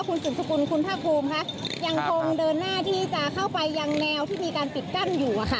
คุณสุดสกุลคุณภาคภูมิค่ะยังคงเดินหน้าที่จะเข้าไปยังแนวที่มีการปิดกั้นอยู่อะค่ะ